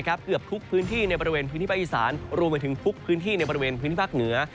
เกือบทุกพื้นที่ในบริเวณพื้นที่ภาคอีสานรวมไปถึงทุกพื้นที่ในบริเวณพื้นที่ภาคเหนือ